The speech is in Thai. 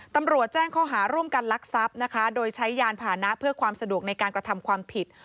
ตำรวจแจ้งข้อหาร่วมกันลักทรัพย์นะคะโดยใช้ยานผ่านนะเพื่อความสะดวกในการกระทำความผิด